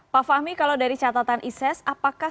pak fahmi kalau dari catatan isis apakah